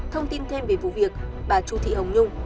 thông tin thêm về vụ việc bà chu thị hồng nhung